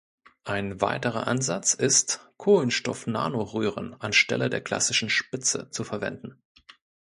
Ein weiterer Ansatz ist, Kohlenstoffnanoröhren anstelle der klassischen Spitze zu verwenden.